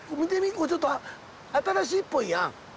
これちょっと新しいっぽいやん。